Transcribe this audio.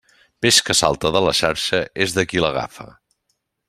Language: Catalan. Peix que salta de la xarxa és de qui l'agafa.